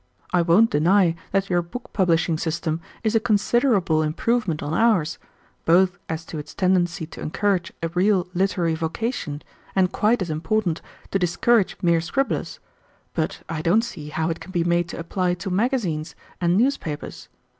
"I won't deny that your book publishing system is a considerable improvement on ours, both as to its tendency to encourage a real literary vocation, and, quite as important, to discourage mere scribblers; but I don't see how it can be made to apply to magazines and newspapers.